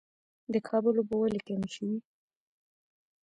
د کابل اوبه ولې کمې شوې؟